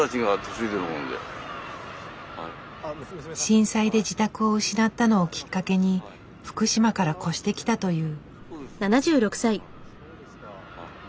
震災で自宅を失ったのをきっかけに福島から越してきたという。